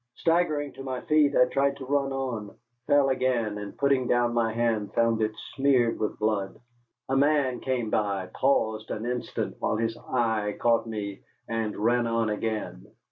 Staggering to my feet, I tried to run on, fell again, and putting down my hand found it smeared with blood. A man came by, paused an instant while his eye caught me, and ran on again.